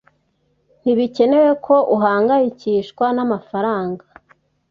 Ntibikenewe ko uhangayikishwa n'amafaranga.